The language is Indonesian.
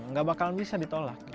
tidak akan bisa ditolak